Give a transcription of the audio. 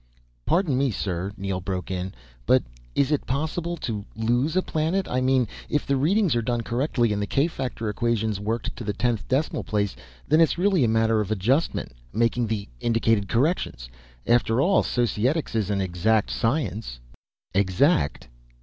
"Pardon me, sir," Neel broke in, "but is it possible? To lose a planet, I mean. If the readings are done correctly, and the k factor equations worked to the tenth decimal place, then it's really just a matter of adjustment, making the indicated corrections. After all, Societics is an exact science " "Exact?